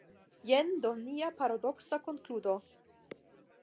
Jen do nia paradoksa konkludo.